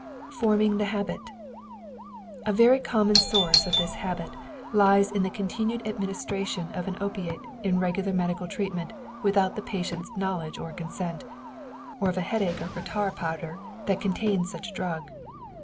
FORMING THE HABIT A very common source of this habit lies in the continued administration of an opiate in regular medical treatment without the patient's knowledge or consent, or in the persistent use of a patent medicine, or of a headache or catarrh powder that contains such a drug.